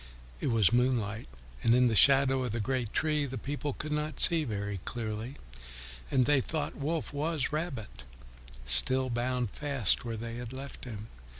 It was moonlight, and in the shadow of the great tree the people could not see very clearly, and they thought Wolf was Rabbit, still bound fast where they had left him.